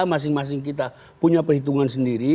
masing masing kita punya perhitungan sendiri